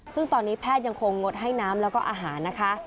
ซึ่งตอนนี้แพทย์ยังคงงดให้น้ำแล้วก็อาหารนะคะ